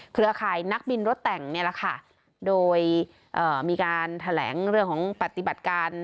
เครือข่ายนักบินรถแต่งเนี่ยแหละค่ะโดยเอ่อมีการแถลงเรื่องของปฏิบัติการ